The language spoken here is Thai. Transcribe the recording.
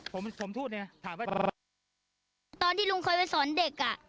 ผมผมพูดเนี่ยถามว่าตอนที่ลุงเคยไปสอนเด็กอ่ะ